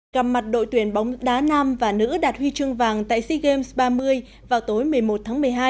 gặp mặt đội tuyển bóng đá nam và nữ đạt huy chương vàng tại sea games ba mươi vào tối một mươi một tháng một mươi hai